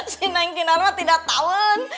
si neng kinan mah tidak tawen